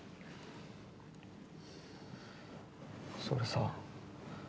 それでさ